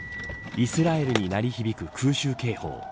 イスラエルに鳴り響く空襲警報。